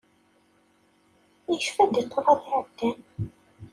Yecfa-d i ṭṭrad iɛeddan.